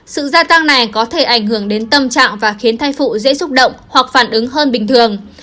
sự gia tăng này có thể ảnh hưởng đến tâm trạng và khiến thai phụ dễ xúc động hoặc phản ứng hơn bình thường